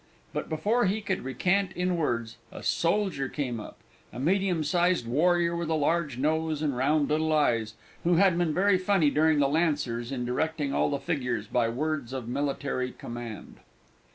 But, before he could recant in words, a soldier came up, a medium sized warrior with a large nose and round little eyes, who had been very funny during the Lancers in directing all the figures by words of military command.